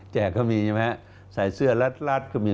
แจกก็มีไหมใส่เสื้อลัดก็มี